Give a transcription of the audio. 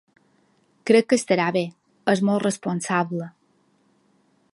Crec que estarà bé. És molt responsable.